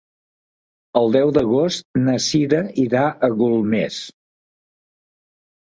El deu d'agost na Cira irà a Golmés.